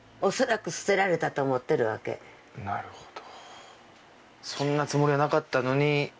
なるほど。